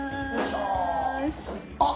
あっ！